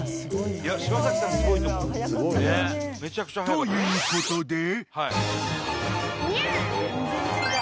ということで］